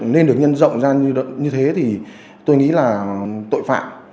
nên được nhân rộng ra như thế thì tôi nghĩ là tội phạm